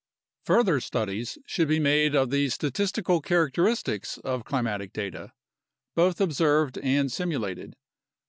Further studies should be made of the statistical characteristics of climatic data, both observed and simulated.